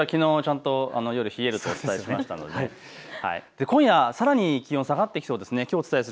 夜、冷えるとお伝えしましたので今夜さらに気温が下がってきそうです。